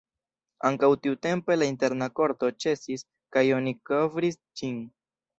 Ankaŭ tiutempe la interna korto ĉesis kaj oni kovris ĝin.